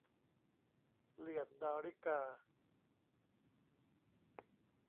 เหลี่ยมดาริกา